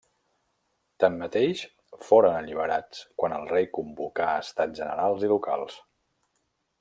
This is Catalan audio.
Tanmateix, foren alliberats quan el rei convocà Estats Generals i Locals.